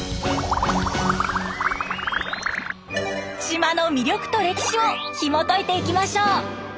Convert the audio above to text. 島の魅力と歴史をひもといていきましょう。